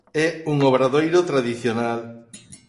É un obradoiro tradicional.